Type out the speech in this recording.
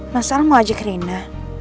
mas al mau ajak rena